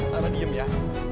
lara diem ya